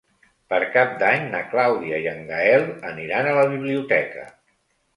Per Cap d'Any na Clàudia i en Gaël aniran a la biblioteca.